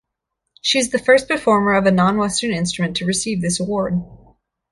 She is the first performer of a non-Western instrument to receive this award.